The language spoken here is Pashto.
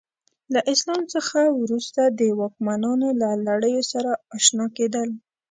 له اسلام څخه وروسته د واکمنانو له لړیو سره اشنا کېدل.